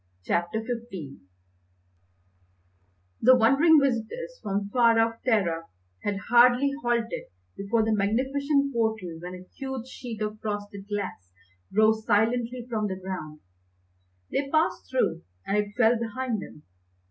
CHAPTER XV The wondering visitors from far off Terra had hardly halted before the magnificent portal when a huge sheet of frosted glass rose silently from the ground. They passed through and it fell behind them.